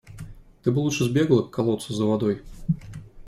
Ты бы лучше сбегала к колодцу за водой.